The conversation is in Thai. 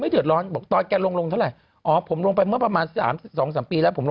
อึกอึกอึกอึกอึกอึก